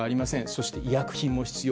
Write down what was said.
そして、医薬品も必要。